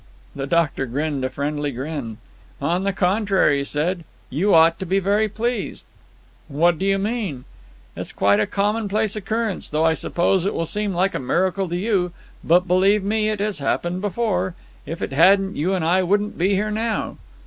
The doctor grinned a friendly grin. "On the contrary," he said. "You ought to be very pleased." "What do you mean?" "It's quite a commonplace occurrence, though I suppose it will seem like a miracle to you. But, believe me, it has happened before. If it hadn't, you and I wouldn't be here now."